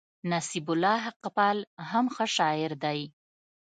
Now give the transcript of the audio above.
نصيب الله حقپال هم ښه شاعر دئ.